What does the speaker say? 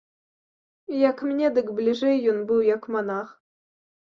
Як мне, дык бліжэй ён быў як манах.